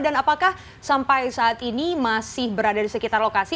dan apakah sampai saat ini masih berada di sekitar lokasi